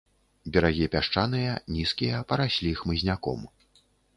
Берагі пясчаныя, нізкія, параслі хмызняком.